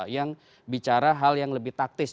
yang bicara hal yang lebih taktis